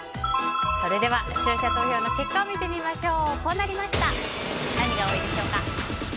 それでは視聴者投票の結果を見てみましょう。